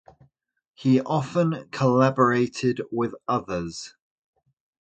He often collaborated with others.